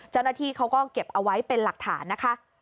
เจ้าหน้าที่เขาก็เก็บเอาไว้เป็นหลักฐานนะคะ